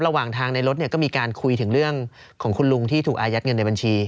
ระหว่างทางในรถก็มีการคุยถึงเรื่องของคุณลุงที่ถูกอายัดเงินในบัญชี